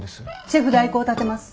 シェフ代行を立てます。